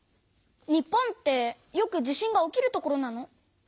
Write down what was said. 日本ってよく地震が起きる所なの？